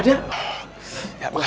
dapet ya bekerja